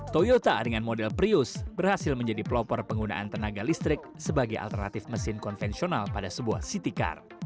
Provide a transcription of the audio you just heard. toyota dengan model prius berhasil menjadi pelopor penggunaan tenaga listrik sebagai alternatif mesin konvensional pada sebuah city car